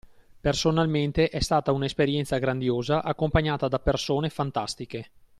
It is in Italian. Personalmente è stata una esperienza grandiosa accompagnata da persone fantastiche.